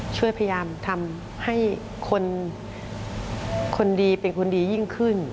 ช่วยพยายามทำให้คนดีเป็นคนดียิ่งขึ้น